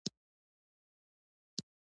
د ایران سینما په نړۍ کې خپل شهرت لري.